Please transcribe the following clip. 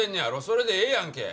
それでええやんけ。